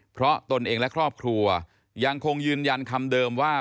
เพราะตนเองและครอบครัวยังคงยืนยันคำเดิมว่า